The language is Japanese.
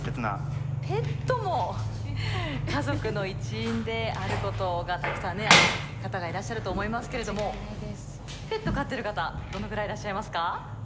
ペットも家族の一員であることがたくさんの方がいらっしゃると思いますけれどもペット飼ってる方どのぐらいいらっしゃいますか？